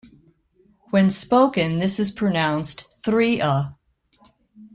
When spoken this is pronounced 'three-a'.